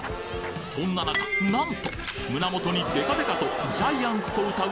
そんな中なんと胸元にデカデカと「ジャイアンツ」とうたう